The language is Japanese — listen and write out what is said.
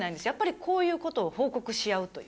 こういうことを報告し合うという。